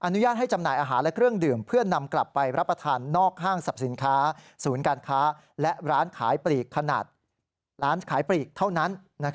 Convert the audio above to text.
อนุญาตให้จำหน่ายอาหารและเครื่องดื่มเพื่อนำกลับไปรับประทานนอกห้างสรรพสินค้าศูนย์การค้าและร้านขายปลีกขนาดร้านขายปลีกเท่านั้น